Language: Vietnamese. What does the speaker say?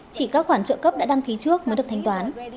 chỉ các khoản trợ cấp đã đăng ký trước mới được thanh toán